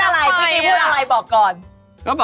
ที่นู่น